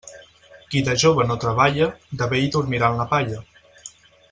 Qui de jove no treballa, de vell dormirà en la palla.